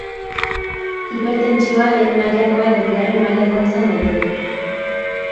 Hipertentsioa lehen mailakoa edo bigarren mailakoa izan daiteke.